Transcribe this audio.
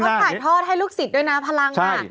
ต้องถ่ายทอดด้วยลูกศิษย์ด้วยนะพลังนไป